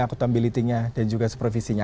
akutability nya dan juga supervisinya